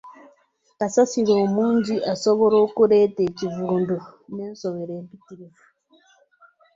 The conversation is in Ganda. Kasasiro omungi asobola okuleeta ekivundu n'ensowera empitirivu.